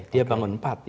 dia bangun empat